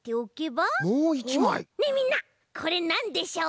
ねえみんなこれなんでしょう？